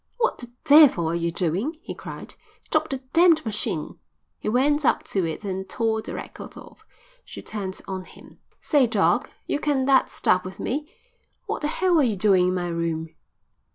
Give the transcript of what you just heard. "What the devil are you doing?" he cried. "Stop that damned machine." He went up to it and tore the record off. She turned on him. "Say, doc, you can that stuff with me. What the hell are you doin' in my room?"